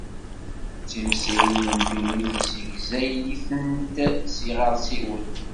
Timsirin n dunnit nessegzay-itent s yiɣersiwen.